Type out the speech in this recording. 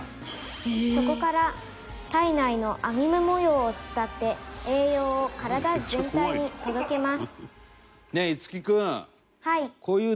「そこから体内の網目模様を伝って栄養を体全体に届けます」